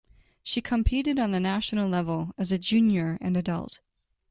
She competed on the national level as a junior and adult.